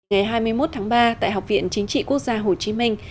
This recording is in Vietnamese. ngày hai mươi một tháng ba tại học viện chính trị quốc gia hồ chí minh